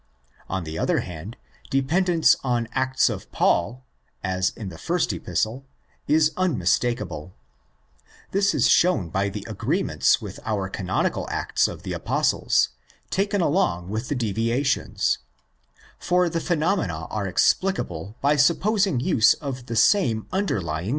On the other hand, dependence on Acts of Paul, as in the first Epistle, is unmistakeable. This is shown by the agreements with our Canonical Acts of the Apostles taken along with the deviations; for the phenomena are explicable by supposing use of 1 This interpretation seems to be confirmed by 1 Thess. iv. 6.